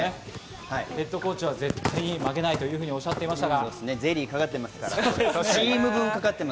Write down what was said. ヘッドコーチは絶対に負けないとおっしゃっていましたが。